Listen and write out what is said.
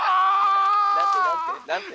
「何て何て？